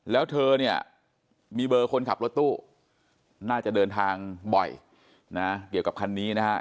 แล้วเธอเนี่ยมีเบอร์คนขับรถตู้น่าจะเดินทางบ่อยนะเกี่ยวกับคันนี้นะฮะ